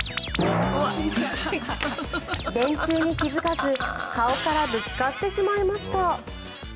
電柱に気付かず顔からぶつかってしまいました。